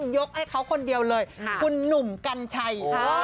ยกให้เขาคนเดียวเลยคุณหนุ่มกัญชัย